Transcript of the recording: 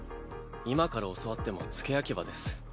今から教わっても付け焼き刃です。